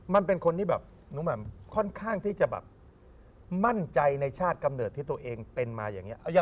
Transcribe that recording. มันเป็นคนที่แบบค่อนข้างที่จะแบบมั่นใจในชาติกำเนิดที่ตัวเองเป็นมาอย่างนี้